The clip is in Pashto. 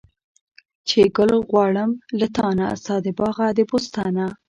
چې ګل غواړم له تانه، ستا د باغه د بوستانه